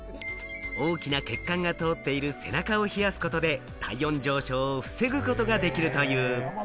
大きな血管が通っている背中を冷やすことで、体温上昇を防ぐことができるという。